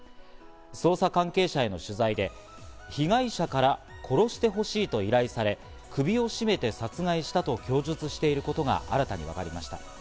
捜査関係者への取材で被害者から殺してほしいと依頼され、首を絞めて殺害したと供述していることが新たに分かりました。